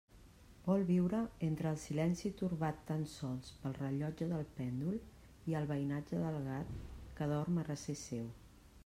Vol viure entre el silenci torbat tan sols pel rellotge de pèndol i el veïnatge del gat que dorm a recer seu.